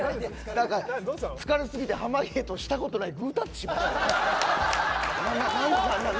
疲れすぎて濱家としたことないグータッチしました。